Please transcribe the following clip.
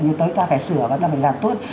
nhưng tới ta phải sửa ta phải làm tốt